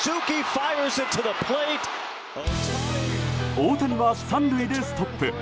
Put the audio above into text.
大谷は３塁でストップ。